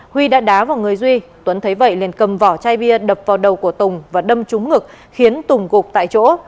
huy đã đá vào người duy tuấn thấy vậy liền cầm vỏ chai bia đập vào đầu của tùng và đâm trúng ngực khiến tùng gục tại chỗ